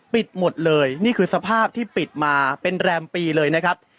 ปิดหมดเลยนี่คือสภาพที่ปิดมาเป็นแรมปีเลยนะครับ